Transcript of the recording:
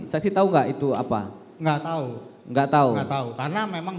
saksi tahu enggak itu apa enggak tahu enggak tahu enggak tahu karena memang